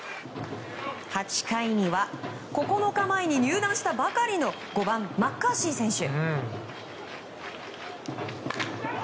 ８回には９日前に入団したばかりの５番、マッカーシー選手。